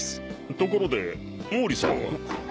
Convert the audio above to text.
ところで毛利さんは？